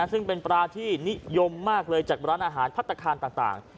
ซึ่งเป็นปลาที่นิยมมากเลยจากร้านอาหารพัฒนาคารต่าง